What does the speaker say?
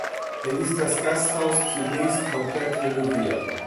Er ließ das Gasthaus zunächst komplett renovieren.